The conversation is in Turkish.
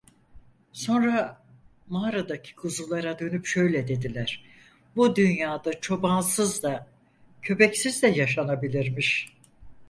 Sonra mağaradaki kuzulara dönüp şöyle dediler: "Bu dünyada çobansız da, köpeksiz de yaşanabilirmiş."